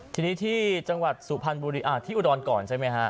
ที่นี้ที่จังหวัดสุภัณฑ์บุรีอ่าที่อุดรก่อนใช่มั้ยคะ